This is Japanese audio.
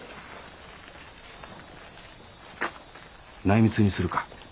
内密にするか？